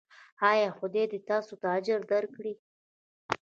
ایا خدای دې تاسو ته اجر درکړي؟